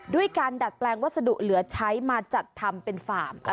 ด้วยการดัดแปลงวัสดุเหลือใช้มาจัดทำเป็นฟาร์ม